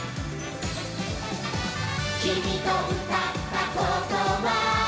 「きみとうたったことは」